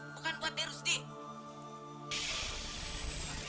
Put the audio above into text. bukan buat dia rusti